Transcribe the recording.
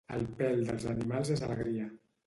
El pèl dels animals és alegria.